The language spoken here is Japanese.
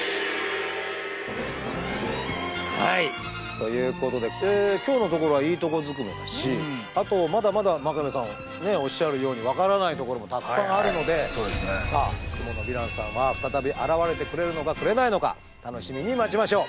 ということで今日のところはいいとこずくめだしあとまだまだ真壁さんおっしゃるように分からないところもたくさんあるのでさあクモのヴィランさんは再び現れてくれるのかくれないのか楽しみに待ちましょう。